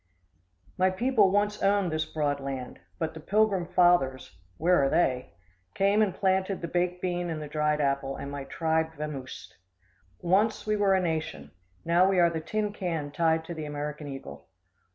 My people once owned this broad land; but the Pilgrim Fathers (where are they?) came and planted the baked bean and the dried apple, and my tribe vamoosed. Once we were a nation. Now we are the tin can tied to the American eagle.